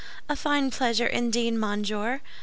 "A fine pleasure, indeed, monsieur!